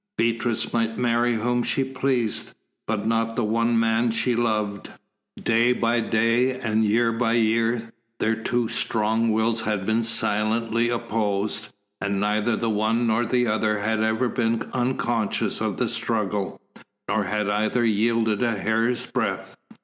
Beatrice might marry whom she pleased, but not the one man she loved. Day by day and year by year their two strong wills had been silently opposed, and neither the one nor the other had ever been unconscious of the struggle, nor had either yielded a hair's breadth.